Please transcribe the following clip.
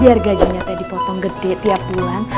biar gajinya tadi potong gete tiap bulan